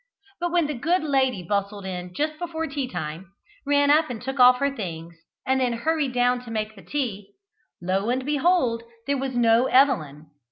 But when the good lady bustled in just before tea time, ran up and took off her things, and then hurried down to make the tea, lo and behold there was no Evelyn.